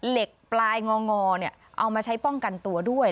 เหล็กปลายงองอเอามาใช้ป้องกันตัวด้วย